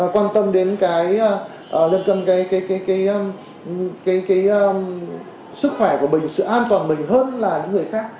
quan tâm đến cái lân cận cái sức khỏe của mình sự an toàn mình hơn là những người khác